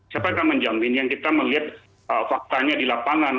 siapa yang akan menjamin yang kita melihat faktanya di lapangan